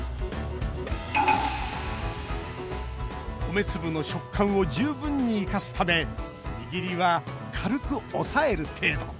コメ粒の食感を十分に生かすためにぎりは軽く押さえる程度。